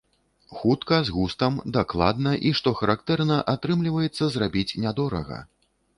Хутка, з густам, дакладна і што характэрна, атрымліваецца зрабіць нядорага.